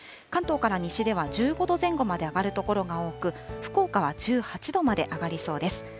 関東から西では１５度前後まで上がる所が多く、福岡は１８度まで上がりそうです。